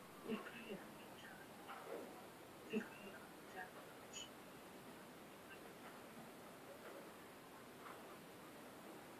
في كل أمر جائز مشروع ليس بمحظور ولا ممنوع